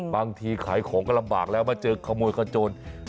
บางทีขายของก็ลำบากแล้วมาเจอขโมยขโจร